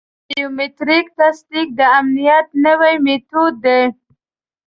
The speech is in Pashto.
د بایومټریک تصدیق د امنیت نوی میتود دی.